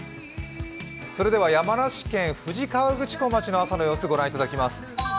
それでは山梨県富士河口湖町の朝の様子をご覧いただきます。